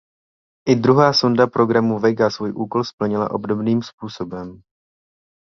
I druhá sonda programu Vega svůj úkol splnila obdobným způsobem.